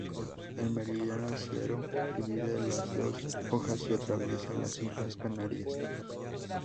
El meridiano cero divide las dos hojas y atraviesa las islas Canarias.